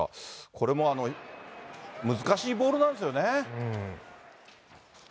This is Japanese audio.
これも難しいボールなんですよね。